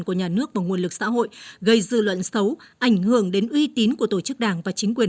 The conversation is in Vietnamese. của nhà nước và nguồn lực xã hội gây dư luận xấu ảnh hưởng đến uy tín của tổ chức đảng và chính quyền